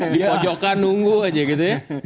di pojokan nunggu saja gitu ya